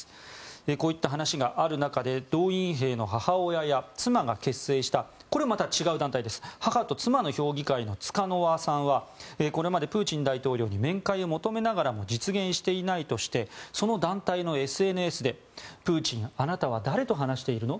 こういった話がある中で動員兵の母親や妻が結成した母と妻の評議会のツカノワさんはこれまでプーチン大統領に面会を求めながらも実現していないとしてその団体のＳＮＳでプーチンあなたは誰と話しているの？